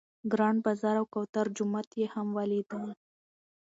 ګرانډ بازار او کوترو جومات یې هم ولیدل.